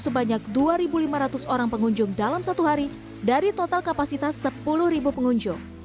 sebanyak dua lima ratus orang pengunjung dalam satu hari dari total kapasitas sepuluh pengunjung